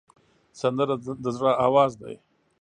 سندره د زړه آواز دی